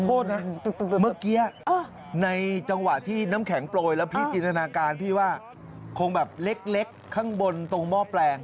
โทษนะเมื่อกี้ในจังหวะที่น้ำแข็งโปรยแล้วพี่จินตนาการพี่ว่าคงแบบเล็กข้างบนตรงหม้อแปลง